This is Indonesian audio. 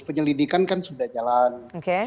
penyelidikan kan sudah jalan